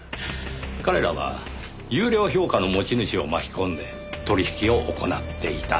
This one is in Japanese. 彼らは優良評価の持ち主を巻き込んで取引を行っていた。